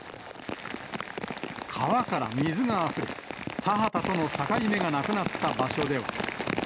川から水があふれ、田畑との境目がなくなった場所では。